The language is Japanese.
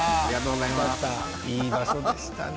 いい場所でしたね。